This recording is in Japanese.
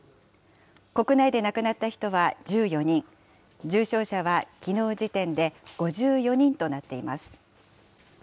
国内で亡くなった人は１４人、重症者はきのう時点で５４人となっています。